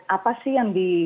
apa sih yang di